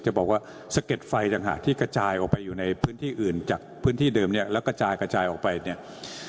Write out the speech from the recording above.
จะบอกว่าสะเก็ดไฟต่างหากที่กระจายออกไปอยู่ในพื้นที่อื่นจากพื้นที่เดิมเนี่ยแล้วกระจายกระจายออกไปเนี่ย